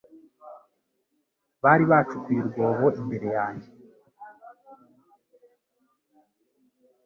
Bari bacukuye urwobo imbere yanjye